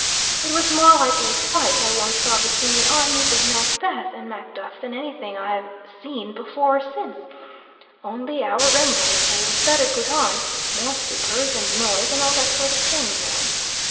It was more like a fight I once saw between the armies of Macbeth and Macduff than anything I have seen before or since; only our Rembwe play was better put on, more supers, and noise, and all that sort of thing, you know.